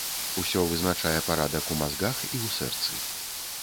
Усё вызначае парадак у мазгах і ў сэрцы.